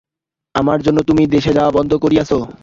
আমার জন্যে তুমি দেশে যাওয়া বন্ধ করিয়াছ?